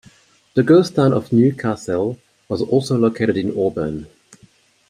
The ghost town of New Cassel was also located in Auburn.